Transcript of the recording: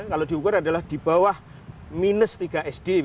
kalau diukur adalah di bawah minus tiga sd